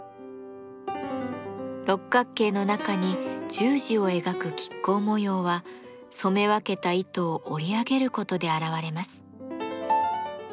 六角形の中に十字を描く亀甲模様は染め分けた糸を織り上げることで現れます。